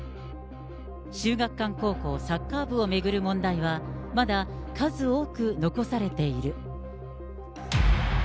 秀岳館高校サッカー部を巡る問題は、まだ数多く残されている。